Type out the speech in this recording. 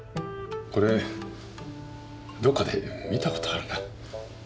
これどっかで見たことあるな。